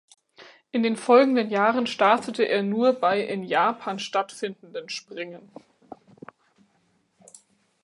In den folgenden Jahren startete er nur bei in Japan stattfindenden Springen.